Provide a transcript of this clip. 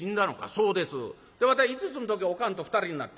「そうです。でわたい５つの時おかんと２人になった。